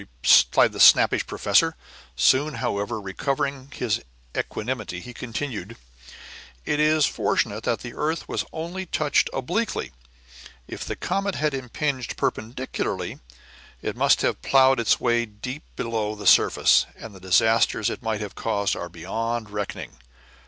replied the snappish professor. Soon, however, recovering his equanimity, he continued: "It is fortunate that the earth was only touched obliquely; if the comet had impinged perpendicularly, it must have plowed its way deep below the surface, and the disasters it might have caused are beyond reckoning.